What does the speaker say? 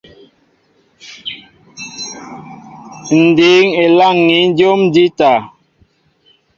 Ǹ dǐŋ elâŋ̀i jǒm njíta.